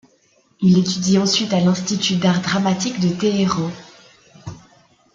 Il étudie ensuite à l'Institut d'art dramatique de Téhéran.